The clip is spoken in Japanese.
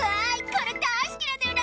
これ大好きなんだよな！」